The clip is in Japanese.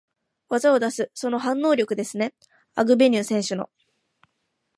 技を出す、その反応力ですね、アグベニュー選手の。